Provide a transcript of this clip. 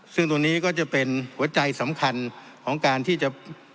ซึ่งตรงนี้ก็จะเป็นหัวใจสำคัญของการที่จะ